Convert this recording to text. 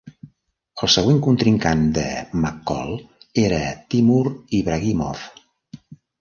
El següent contrincant de McCall era Timur Ibragimov.